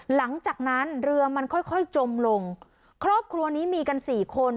หลังจากนั้นเรือมันค่อยค่อยจมลงครอบครัวนี้มีกันสี่คน